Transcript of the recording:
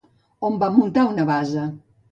On van muntar una base?